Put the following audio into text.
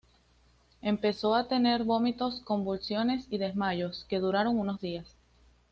Empezó a tener vómitos, convulsiones y desmayos, que duraron unos días.